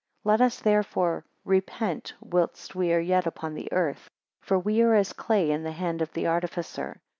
14 Let us therefore repent, whilst we are yet upon the earth: for we are as clay in the hand of the artificer.